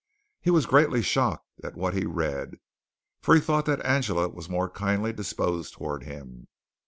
He was greatly shocked at what he read, for he thought that Angela was more kindly disposed toward him.